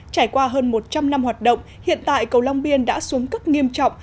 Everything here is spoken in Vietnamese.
trải qua hơn một trăm linh năm hoạt động hiện tại cầu long biên đã xuống cấp nghiêm trọng